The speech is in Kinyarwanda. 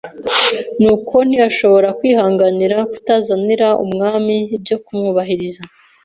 nuko ntiyashobora kwihanganira kutazanira Umwami ibyo kumwubahiriza.